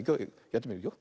やってみるよ。